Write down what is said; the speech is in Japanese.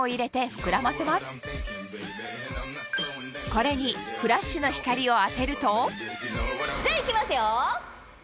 これにフラッシュの光を当てるとじゃいきますよ！